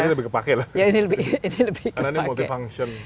ini lebih kepake lah karena ini multifunction